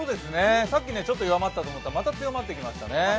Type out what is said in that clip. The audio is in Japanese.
さっきちょっと弱まったと思ったら、また降ってきましたね。